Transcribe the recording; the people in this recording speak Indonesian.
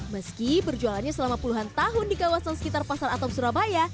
meski berjualannya selama puluhan tahun di kawasan sekitar pasar atom surabaya